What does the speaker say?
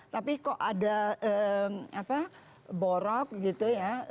tapi kok ada borok gitu ya